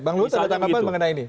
bang wul terdapat apa mengenai ini